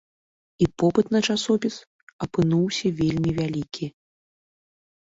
І попыт на часопіс апынуўся вельмі вялікі.